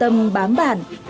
để đồng bào nơi cực kỳ năng lực